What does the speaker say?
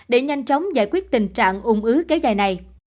để nhanh chóng giải quyết tình trạng ung ứ kéo dài này